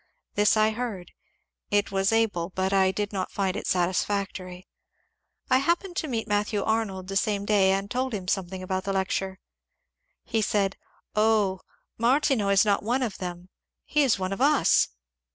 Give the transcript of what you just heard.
This I heard ; it was able, but I did not find it satisfactory. I happened to meet Matthew Arnold the same day and told him something about the lecture. He said, ^^Oh, Martineau is not one of them ; he is one of us."